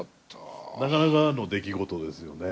なかなかの出来事ですよね。